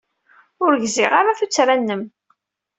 Ur gziɣ ara tuttra-nnem.